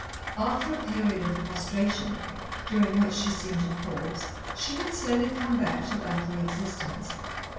After a period of prostration, during which she seemed a corpse, she had slowly come back to earthly existence.